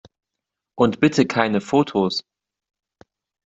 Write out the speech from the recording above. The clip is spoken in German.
Und bitte keine Fotos!